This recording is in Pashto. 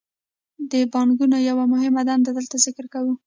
د بانکونو یوه مهمه دنده دلته ذکر کوو